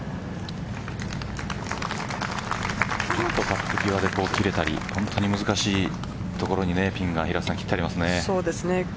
ちょっとカップ際で切れたり本当に難しいところにピンが切ってありますね。